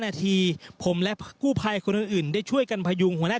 นาทีผมและกู้ภัยคนอื่นได้ช่วยกันพยุงหัวหน้า